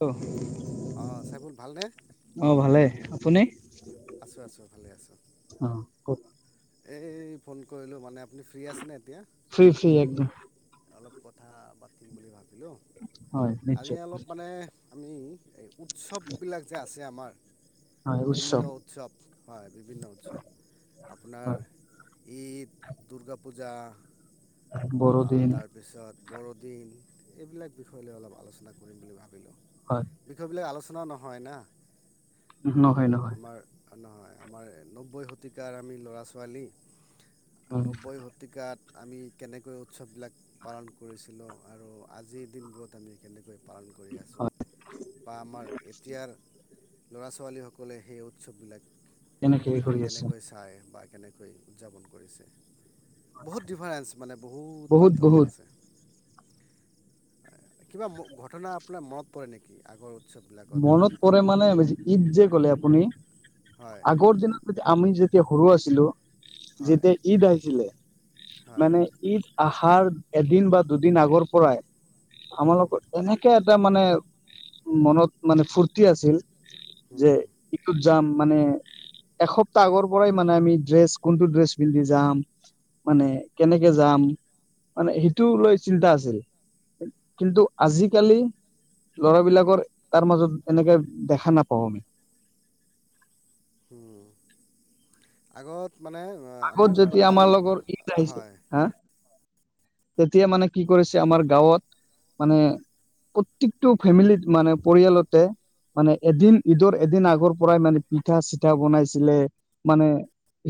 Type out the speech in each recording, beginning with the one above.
Hello অ', চাইফুল ভালনে? অ', ভালে, আপুনি? আছোঁ আছোঁ, ভালে আছোঁ। অ' এই ফোন কৰিলোঁ মানে আপুনি ফ্ৰী আছেনে এতিয়া? ফ্ৰী-ফ্ৰী একদম। অলপ কথা পাতিম বুলি ভাবিলোঁ, হয় আজি নিশ্চয়। অলপ মানে আমি এই উৎসৱবিলাক যে আছে আমাৰ বিভিন্ন উৎসৱ হয়, বিভিন্ন উৎসৱ। আপোনাৰ হয় ঈদ, দুৰ্গা পূজা আহ, বৰদিন তাৰপিছত বৰদিন এইবিলাক বিষয় লৈ অলপ আলোচনা কৰিম বুলি ভাবিলোঁ। হয়। বিষয় বিলাক আলোচনা নহয় না, নহয় নহয়। আমাৰ নহয়, আমাৰ নব্বৈ শতিকাৰ আমি ল'ৰা-ছোৱালী উম। নব্বৈ শ শতিকাত আমি কেনেকৈ উৎসৱ বিলাক পালন কৰিছিলোঁ আৰু আজিৰ দিনবোৰত আমি কেনেকৈ পালন কৰি আছোঁ। হয় বা আমাৰ এতিয়াৰ ল'ৰা-ছোৱালী সকলে সেই উৎসৱ বিলাক কেনেকে হেৰি মানে কৰি আছে? কেনেকৈ চাই বা কেনেকৈ উদযাপন কৰিছে। বহুত ডিফাৰেন্ঞ্চ মানে বহুত পাৰ্থক্য আছে। কিবা ঘটনা আপোনাৰ মনত পৰে নেকি আগৰ উৎসৱ বিলাক? মনত পৰে মানে ঈদ যে ক'লে আপুনি, হয় আগৰ দিনত আমি যেতিয়া সৰু আছিলো হয় যেতিয়া ঈদ আহিছিলে, মানে ঈদ আহাৰ এদিন বা দুদিন আগৰ পৰাই, আমালোকৰ এনেকে এটা মানে মনত মানে ফূৰ্তি আছিল যে হয় ইটোত যাম মানে এসপ্তাহ আগৰ পৰাই মানে আমি ড্ৰেছ কোনটো ড্ৰেছ পিন্ধি যাম। মানে কেনেকে যাম মানে সেইটো লৈ চিন্তা আছিল। কিন্তু আজিকালি ল'ৰাবিলাকৰ তাৰ মাজত এনেকে দেখা নাপাওঁ। উম আগত মানে আ আগত আমি যেতিয়া প্লান্ট আমাৰ এ লগৰ ঈদ আহিছে হয় হা তেতিয়া মানে কি কৰিছে আমাৰ গাঁৱত মানে প্ৰত্যিকটো ফেমিলিত মানে পৰিয়ালতে মানে এদিন ঈদৰ এদিন আগৰ পৰাই মানে পিঠা চিঠা বনাইছিলে মানে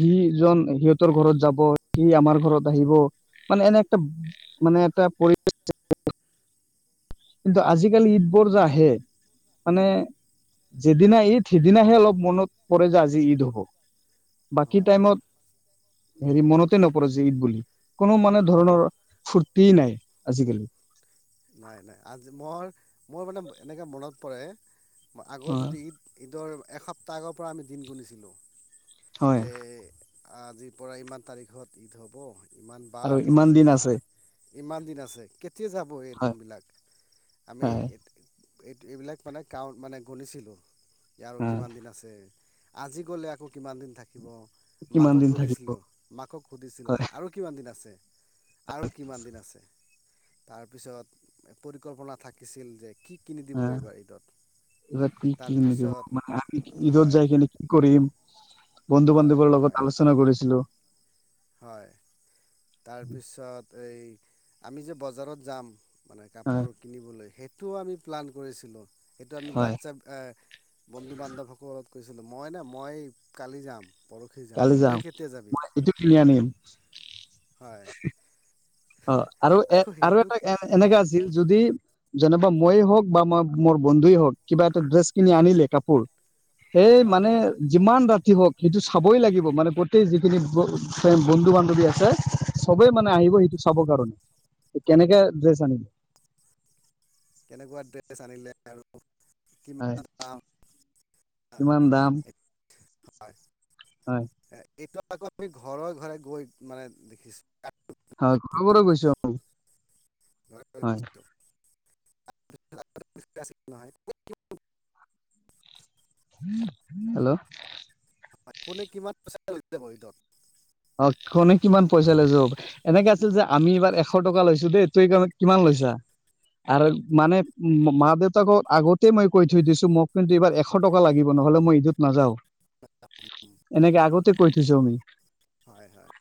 সি, ইজন সিহঁতৰ ঘৰত যাব, সি আমাৰ ঘৰত আহিব, মানে এনে তব মানে এটা পৰি [unintelligible] কিন্তু আজিকালি ঈদ বোৰ যে আহে মানে যিদিনা ঈদ সিদিনাহে অলপ মনত পৰে যে, আজি ঈদ হ'ব। বাকী হয় টাইমত হেৰি মনতে নপৰে যে ঈদ বুলি, কোনো মানে ধৰণৰ ফূৰ্তিই নাই, আজিকালি। নাই, নাই, আজি মই মোৰ মানে এনেকে মনত পৰে, আগৰ হয় যদি ঈদৰ এসপ্তাহ আগৰ পৰা আমি দিন গুনিছিলোঁ হয় যে আজিৰ পৰা ইমান তাৰিখত ঈদ হ'ব ইমান আৰু বাৰ। ইমান দিন আছে ইমান দিন আছে। কেতিয়া যাব সেই হয় দিনবিলাক? আমি হয় এ এইটো এইবিলাক মানে কাউন্ত মানে গণিছিলোঁ আৰু হয় কিমান দিন আছে? আজি গ'লে আকৌ কিমান দিন থাকিব, কিমান মাকক দিন থাকিব সুধিছিলোঁ, মাকক সুধিছিলোঁ হয় যে আৰু কিমান দিন আছে আৰু কিমান দিন আছে, তাৰপিছত এ পৰিকল্পনা থাকিছিল যে কি কিনি দিব আহ এইবাৰ ঈদত? এইবাৰ কি কি নিদিব তাৰপিছত মানে আমি ঈদত হয়। যাই কিনে কৰিম হয় বন্ধু-বান্ধৱৰ হয় লগত আলোচনা কৰিছিলোঁ। হয়। তাৰপিছত এই, আমি যে বজাৰত যাম। মানে হয় কাপৰ কিনিবলৈ সেইটোও আমি প্লান কৰিছিলোঁ সেইটো আমি হয় বাচ্ছা এ বন্ধু বান্ধৱসকল কৈছিলোঁ। মই নে মই কালি যাম। পৰহি যাম, তই কেতিয়া যাবি? ইটো কিনি আনিম। হয় অ আৰু এ আকৌ আৰু সেইটো এটা এ এনেকা হয় আছিল যদি, যেনেবা মইয়ে হওক বা ম মই মোৰ বন্ধুৱে হওক কিবা এটা ড্ৰেছ কিনি আনিলে কাপোৰ সেই হয় মানে যিমান ৰাতি হওঁক সেইটো চাবই লাগিব। মানে গোটেই যিখিনি বন্ধু বান্ধৱী আছে। চবেই মানে আহিব সেইটো চাব কাৰণে, কেনেকে ড্ৰেছ আনিম। কেনেকুৱা ড্ৰেছ আনিলে আৰু হয় কিমান দাম [unintelligible] হয়। এ এইটো আকৌ আমি ঘৰে ঘৰে গৈ মানে দেখিছো হয়, ক'ৰ পৰা কৈছ? ঘৰে ঘৰে হয়। গৈছোঁ। [unintelligible] হেল্ল, হয় কোনে কিমান পইচা লৈছে বাৰু ঈদত? অ কোনে কিমান পইচা লৈ যাব পাৰি। এনেকে আছিল যে আমি এইবাৰ এশ টকা লৈছো দে তই কিমান লৈছা। মানে মা-দেউতাকক আগতে মই কৈ থৈ দিছো মোক কিন্তু এইবাৰ এশ এশ টকা লাগিব নহ'লে মই ঈদত নাযাওঁ। এনেকে আগতে কৈ থৈছো আমি। হয় হয়।